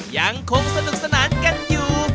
ยังคงสนุกสนานกันอยู่